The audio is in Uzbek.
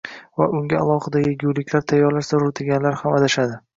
va unga alohida yeguliklar tayyorlash zarur deganlar ham adashadi.